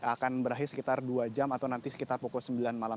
akan berakhir sekitar dua jam atau nanti sekitar pukul sembilan malam